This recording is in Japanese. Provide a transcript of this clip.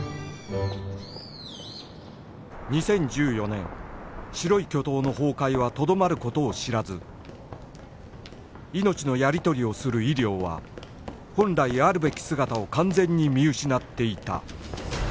２０１４年白い巨塔の崩壊はとどまる事を知らず命のやり取りをする医療は本来あるべき姿を完全に見失っていた